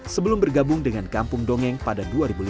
sebelum bergabung dengan kampung dongeng pada dua ribu lima